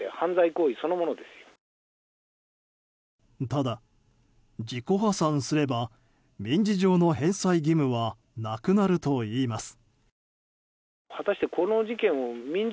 ただ、自己破産すれば民事上の返済義務はなくなるといいます。